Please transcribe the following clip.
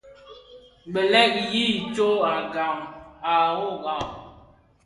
Bèleg yi sóm à gang à wogà.